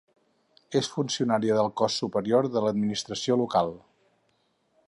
És funcionària del cos superior de l'administració local.